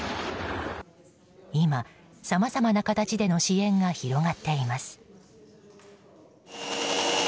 今、さまざまな形での支援が広がっています。